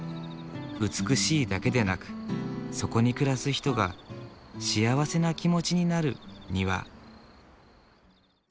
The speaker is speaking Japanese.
美しいだけでなくそこに暮らす人が幸せな気持ちになる庭。